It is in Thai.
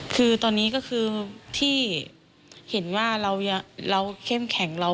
คือตอนนี้ก็คือที่เห็นว่าเราเข้มแข็งเรา